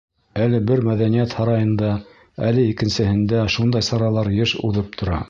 Әле бер мәҙәниәт һарайында, әле икенсеһендә шундай саралар йыш уҙып тора.